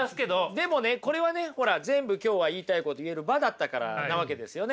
でもねこれはねほら全部今日は言いたいこと言える場だったからなわけですよね。